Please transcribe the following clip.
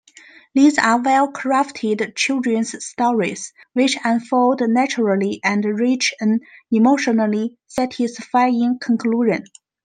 These are well-crafted children's stories, which unfold naturally and reach an emotionally satisfying conclusion.